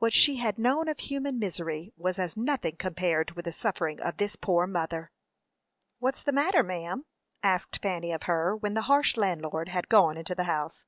What she had known of human misery was as nothing compared with the suffering of this poor mother. "What's the matter, ma'am?" asked Fanny of her, when the harsh landlord had gone into the house.